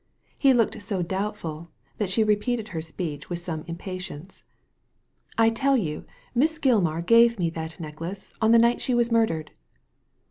He looked so doubtful, that she repeated her speech with some impatience. " I tell you Miss Gilmar gave me that necklace on the night she was murdered."